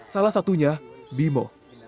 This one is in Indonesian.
salah satunya bimo